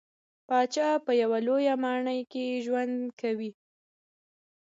پاچا په لويه ماڼۍ کې ژوند کوي .